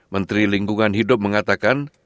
menteri lingkungan hidup mengatakan